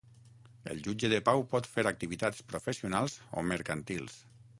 El jutge de pau pot fer activitats professionals o mercantils.